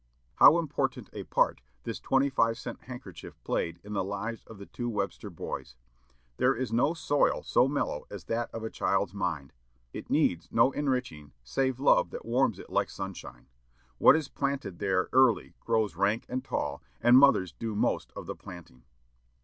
How important a part this twenty five cent handkerchief played in the lives of the two Webster boys! There is no soil so mellow as that of a child's mind; it needs no enriching save love that warms it like sunshine. What is planted there early, grows rank and tall, and mothers do most of the planting.